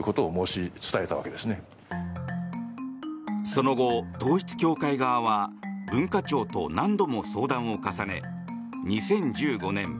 その後、統一教会側は文化庁と何度も相談を重ね２０１５年